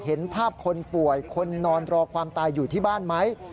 เห็นภาพคนป่วยคนนอนรอความตายอยู่ที่บ้านไหม